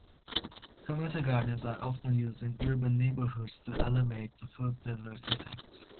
Community gardens are often used in urban neighborhoods to alleviate the food desert effect.